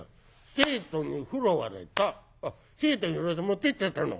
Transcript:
生徒に拾われた「生徒に拾われて持ってっちゃったの？